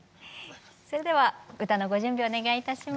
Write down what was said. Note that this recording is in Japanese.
それでは歌のご準備をお願いいたします。